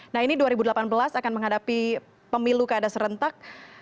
nah ini dua ribu delapan belas akan menghadapi pemilu keadaan serentak